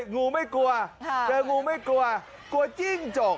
งูไม่กลัวเจองูไม่กลัวกลัวจิ้งจก